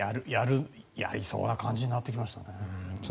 やりそうな感じになってきましたね。